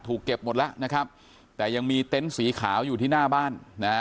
ถูกเก็บหมดแล้วแต่ยังมีเต้นต์สีขาวอยู่ที่หน้าบ้าน